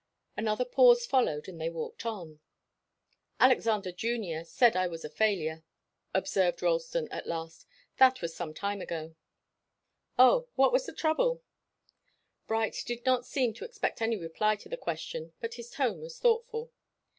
Another pause followed and they walked on. "Alexander Junior said I was a failure," observed Ralston at last. "That was some time ago." "Oh was that the trouble?" Bright did not seem to expect any reply to the question, but his tone was thoughtful.